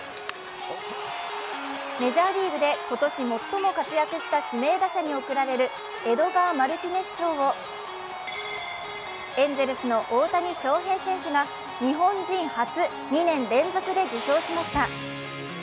メジャーリーグで今年最も活躍した指名打者に贈られるエドガー・マルティネス賞をエンゼルスの大谷翔平選手が日本人初、２年連続で受賞しました。